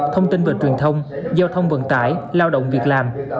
thông tin và truyền thông giao thông vận tải lao động việc làm